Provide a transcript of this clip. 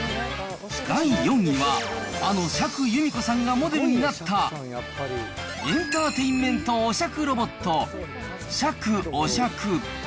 第４位は、あの釈由美子さんがモデルになった、エンターテインメントお酌ロボット、釈お酌。